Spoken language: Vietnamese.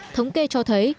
thống kê cho thấy